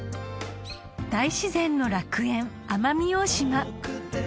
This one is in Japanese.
［大自然の楽園奄美大島］